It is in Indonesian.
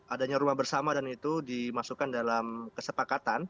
adanya rumah bersama dan itu dimasukkan dalam kesepakatan